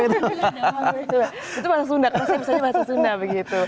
itu bahasa sunda karena saya biasanya bahasa sunda begitu